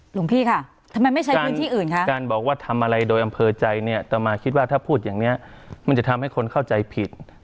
หลวงพี่ค่ะทำไมไม่ใช้พื้นที่อื่นคะการบอกว่าทำอะไรโดยอำเภอใจเนี่ยต่อมาคิดว่าถ้าพูดอย่างนี้มันจะทำให้คนเข้าใจผิด